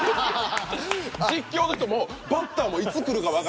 実況の人もバッターもいつ来るかわからない。